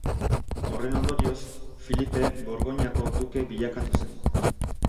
Horren ondorioz, Filipe Borgoinako duke bilakatu zen.